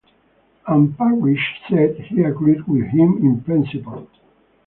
And Parrish said he agreed with him in principle.